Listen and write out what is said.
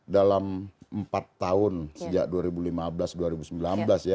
dalam empat tahun sejak dua ribu lima belas dua ribu sembilan belas ya